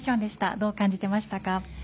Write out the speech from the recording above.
どう感じていましたか？